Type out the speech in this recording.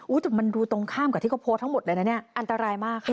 อุ๊ยแต่มันดูตรงข้ามกับที่เขาโพสต์ทั้งหมดอะไรนะอันตรายมาก